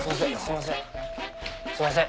すいません。